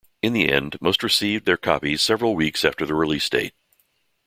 In the end, most received their copies several weeks after the release date.